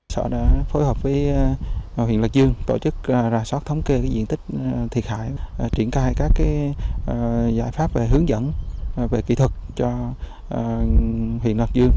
sở đã phối hợp với huyện lạc dương tổ chức rà soát thống kê diện tích thiệt hại triển khai các giải pháp về hướng dẫn về kỹ thuật cho huyện lạc dương